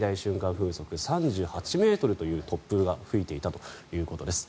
風速３８ｍという突風が吹いていたということです。